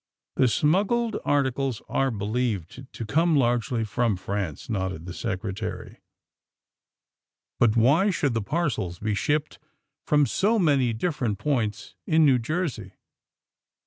'*The smuggled articles are believed to come largely from France," nodded the Secretary. *^But why should the parcels be shipped from so many different points in New Jersey